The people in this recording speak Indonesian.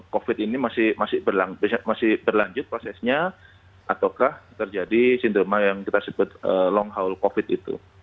covid ini masih berlanjut prosesnya ataukah terjadi sindroma yang kita sebut long haul covid itu